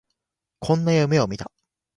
こんな夢を見た